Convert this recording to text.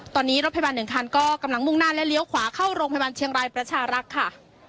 ตอนนี้รถพยาบาลหนึ่งคันก็กำลังมุ่งหน้าและเลี้ยวขวาเข้าโรงพยาบาลเชียงรายประชารักษ์ค่ะ